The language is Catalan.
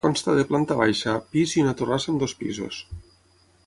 Consta de planta baixa, pis i una torrassa amb dos pisos.